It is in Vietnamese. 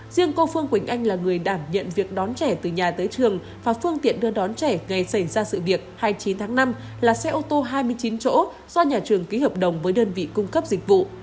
riêng cô phương quỳnh anh là người đảm nhận việc đón trẻ từ nhà tới trường và phương tiện đưa đón trẻ ngày xảy ra sự việc hai mươi chín tháng năm là xe ô tô hai mươi chín chỗ do nhà trường ký hợp đồng với đơn vị cung cấp dịch vụ